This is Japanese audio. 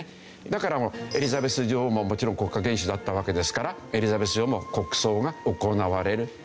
だからエリザベス女王ももちろん国家元首だったわけですからエリザベス女王も国葬が行われるというわけですね。